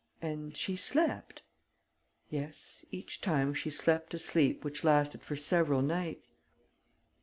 "And she slept?" "Yes, each time she slept a sleep which lasted for several nights."